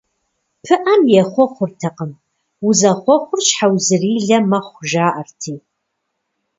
Пыӏэм ехъуэхъуртэкъым, узэхъуэхъур щхьэузрилэ мэхъу, жаӏэрти.